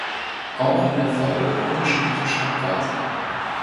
Auch in der Folge unterschiedliche Schreibweisen.